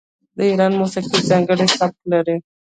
د ایران موسیقي ځانګړی سبک لري.